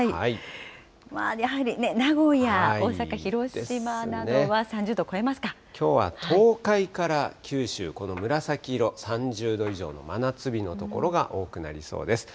まあやはり、名古屋、大阪、きょうは東海から九州、この紫色、３０度以上の真夏日の所が多くなりそうです。